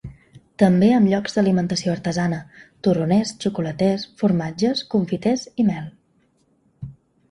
També amb llocs d’alimentació artesana: torroners, xocolaters, formatges, confiters i mel.